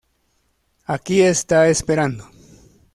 Aquí está Esperando!